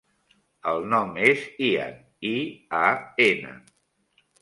El nom és Ian: i, a, ena.